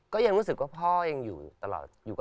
ก็ยังรู้สึกว่าพ่อยังอยู่กับเราอยู่ตลอด